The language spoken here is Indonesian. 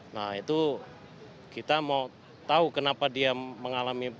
nah itu kita mau tahu kenapa dia mengalami